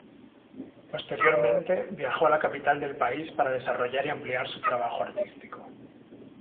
Posteriormente, viajó a la capital del país para desarrollar y ampliar su trabajo artístico.